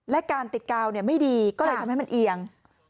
และการติดกาวไม่ดีก็เลยทำให้มันเอียง